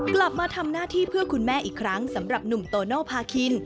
กลับมาทำหน้าที่เพื่อคุณแม่อีกครั้งสำหรับหนุ่มโตโนภาคิน